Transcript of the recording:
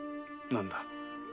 何だ？